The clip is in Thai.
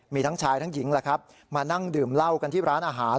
มีทั้งชายทั้งหญิงแหละครับมานั่งดื่มเหล้ากันที่ร้านอาหาร